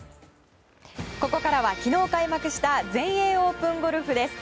ここからは昨日開幕した全英オープンゴルフです。